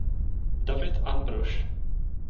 David Ambrož.